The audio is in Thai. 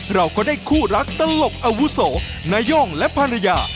เราก็ได้คู่รักตลกอาวุโสนาย่งและภรรยา